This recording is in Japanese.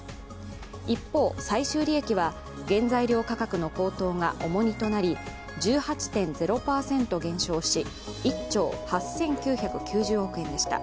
一方、最終利益は原材料価格の高騰が重荷となり１８．０％減少し、１兆８９９０億円でした。